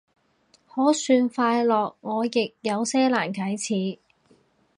可算快樂，我亦有些難啟齒